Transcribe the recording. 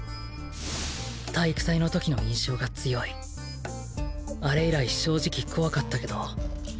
体育祭のときの印象が強いあれ以来正直恐かったけど